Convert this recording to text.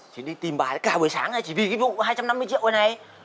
chính đi tìm bài cả buổi sáng này chỉ vì cái vụ hai trăm năm mươi triệu này này